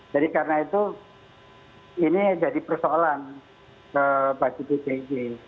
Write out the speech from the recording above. jadi karena itu ini jadi persoalan bagi pdi